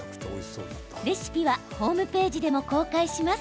レシピはホームページでも公開します。